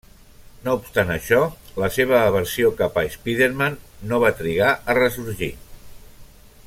No obstant això, la seva aversió cap a Spiderman no va trigar a ressorgir.